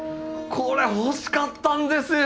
これ欲しかったんですよ！